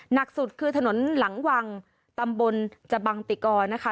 หนักสุดคือถนนหลังวังตำบลจบังติกรนะคะ